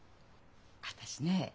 私ね